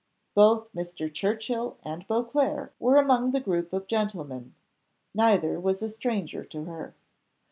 Both Mr. Churchill and Beauclerc were among the group of gentlemen; neither was a stranger to her.